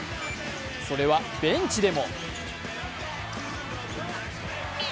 それはベンチでも。